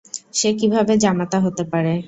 সে কীভাবে জামাতা হতে পারে?